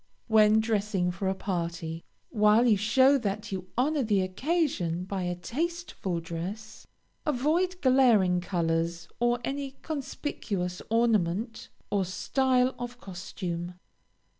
When dressing for a party, while you show that you honor the occasion by a tasteful dress, avoid glaring colors, or any conspicuous ornament or style of costume.